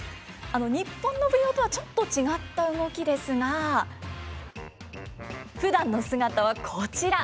日本の舞踊とはちょっと違った動きですがふだんの姿はこちら。